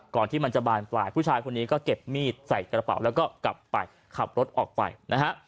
ที่มันจะบานปลายผู้ชายคนนี้ก็เก็บมีดใส่กระเป๋าแล้วก็กลับไปขับรถออกไปนะฮะ